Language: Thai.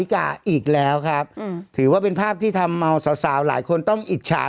กาอีกแล้วครับถือว่าเป็นภาพที่ทำเอาสาวสาวหลายคนต้องอิจฉา